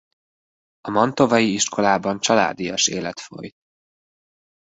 A mantovai iskolában családias élet folyt.